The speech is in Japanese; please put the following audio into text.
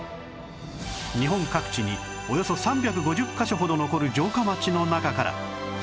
日本各地におよそ３５０カ所ほど残る城下町の中から